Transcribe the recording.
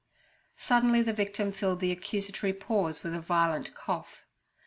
Suddenly the victim filled the accusatory pause with a violent cough.